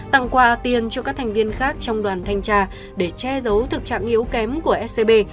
tặng quà tiền cho các thành viên khác trong đoàn thanh tra để che giấu thực trạng yếu kém của scb